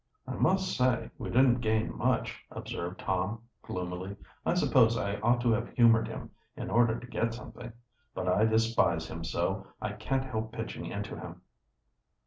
"I must say we didn't gain much," observed Tom gloomily. "I suppose I ought to have humored him, in order to get something. But I despise him so I can't help pitching into him."